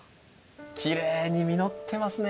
きれいに実ってますね。